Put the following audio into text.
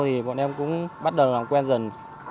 thì bọn em cũng bắt đầu làm quen dần